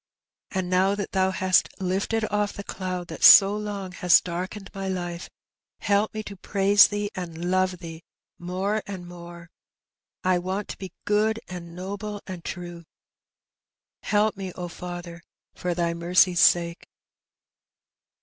And now that Thoa hast lifted off the cloud that so long has darkened my life^ help me to praise Thee^ and love Thee more and more. I want to be good^ and noble^ and true. Help me, O Father, for Thy mercy's sake.''